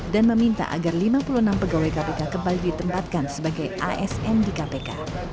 dan meminta agar lima puluh enam pegawai kpk kembali ditempatkan sebagai asm di kpk